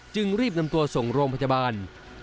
จึงรีบนำตัวส่งโรงพยาบาล